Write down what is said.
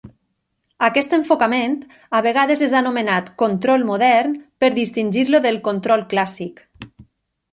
Aquest enfocament a vegades és anomenat "control modern" per distingir-lo del "control clàssic".